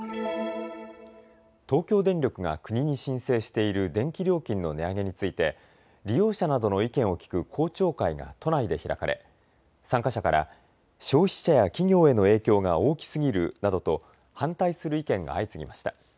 東京電力が国に申請している電気料金の値上げについて利用者などの意見を聞く公聴会が都内で開かれ参加者から消費者や企業への影響が大きすぎるなどと反対する意見が相次ぎました。